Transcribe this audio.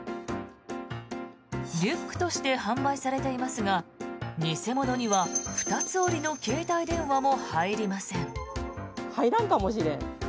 リュックとして販売されていますが偽物には二つ折りの携帯電話も入りません。